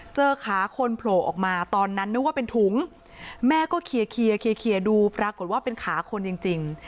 เจอขาคนโผล่ออกมาตอนนั้นนึกว่าเป็นถุงแม่ก็เคลียร์ดูปรากฏว่าเป็นขาคนจริง